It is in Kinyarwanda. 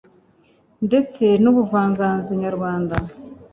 ndetse n'ubuvanganzonyarwanda